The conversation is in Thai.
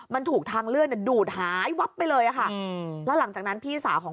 มันถูกทางเลื่อนดูดหายวับไปเลยค่ะแล้วหลังจากนั้นพี่สาวของ